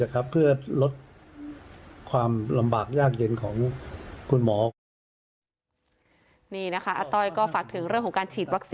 นะครับเพื่อลดปัจจุงความลำบากยากเย็นของคุณหมอนี่นะคะอัต้อยก็ฝากถึงเรื่องของการฉีด